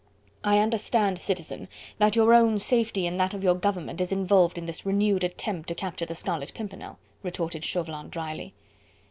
"I understand, Citizen, that your own safety and that of your government is involved in this renewed attempt to capture the Scarlet Pimpernel," retorted Chauvelin drily.